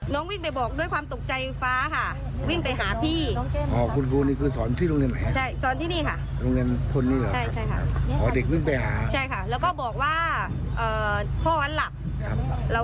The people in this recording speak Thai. น้องวิ่งไปบอกด้วยความตกใจฟ้าค่ะ